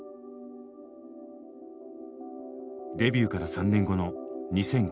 デビューから３年後の２００９年。